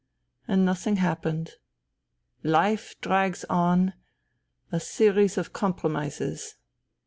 And nothing happened. Life drags on : a series of compromises.